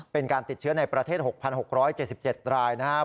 เป็นการติดเชื้อในประเทศ๖๖๗๗รายนะครับ